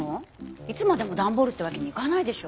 いつまでも段ボールってわけにいかないでしょ。